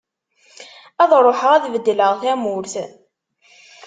Ad ruḥeγ ad bedleγ tamurt.